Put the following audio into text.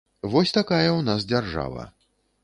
Вось такая ў нас дзяржава.